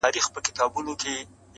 دا سپوږمۍ وينې!